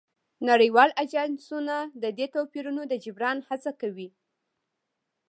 نړیوال اژانسونه د دې توپیرونو د جبران هڅه کوي